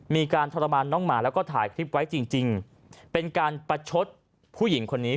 ทรมานน้องหมาแล้วก็ถ่ายคลิปไว้จริงเป็นการประชดผู้หญิงคนนี้